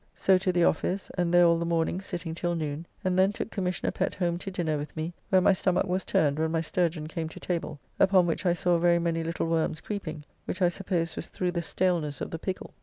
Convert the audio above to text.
So to the office, and there all the morning sitting till noon, and then took Commissioner Pett home to dinner with me, where my stomach was turned when my sturgeon came to table, upon which I saw very many little worms creeping, which I suppose was through the staleness of the pickle.